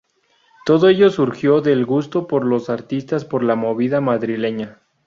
Todo ello surgiendo del gusto por los artistas por la movida madrileña.